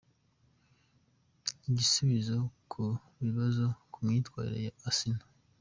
Igisubizo ku bibaza ku myitwarire ya Asinah.